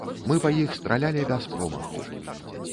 Мы па іх стралялі без промаху.